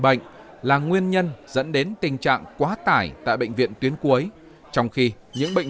bệnh là nguyên nhân dẫn đến tình trạng quá tải tại bệnh viện tuyến cuối trong khi những bệnh